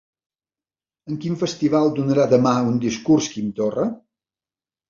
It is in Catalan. En quin festival donarà demà un discurs Quim Torra?